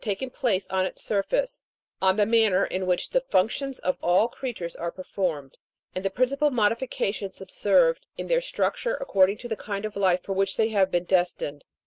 IX taken place on its surface ; on the manner in which the functions of all creatures are performed, and the principal modifications observed in their structure, according to the kind of life for which they have been destined.